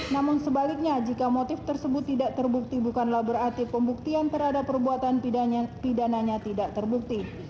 namun sebaliknya jika motif tersebut tidak terbukti bukanlah berarti pembuktian terhadap perbuatan pidananya tidak terbukti